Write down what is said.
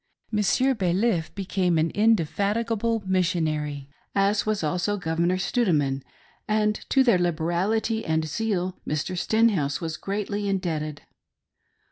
Monsieur Baliff became an indefatigable Missionary, as was also Governor Stoudeman ; and to their liberality and zeal Mr. Stenhouse was greatly indebted.